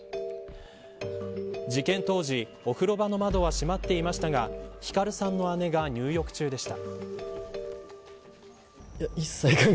事件当時、お風呂場の窓は閉まっていましたが輝さんの姉が入浴中でした。